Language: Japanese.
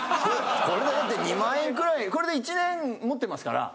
これでだって２万円くらいこれで１年もってますから。